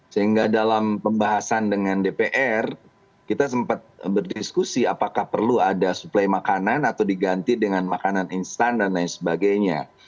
sehingga dalam pembahasan dengan dpr kita sempat berdiskusi apakah perlu ada suplai makanan atau diganti dengan makanan instan dan lain sebagainya